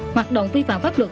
hoạt động vi phạm pháp luật